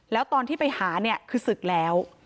แล้วตอนที่ไปหาคือศึกแล้ว